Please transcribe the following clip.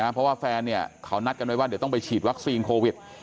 เพราะว่าแฟนเขานัดกันไว้ว่าเดี๋ยวต้องไปฉีดวัคซีนโควิด